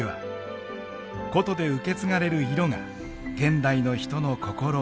古都で受け継がれる色が現代の人の心を捉えました。